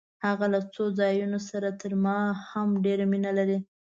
هغه له هغو ځایونو سره تر ما هم ډېره مینه لري.